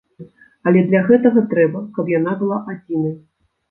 Але для гэтага трэба, каб яна была адзінай.